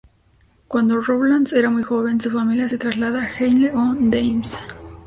Cuando Rowlands era muy joven, su familia se traslada a Henley-on-Thames.